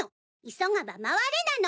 急がば回れなの。